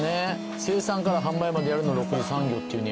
生産から販売までやるのを６次産業っていうねや。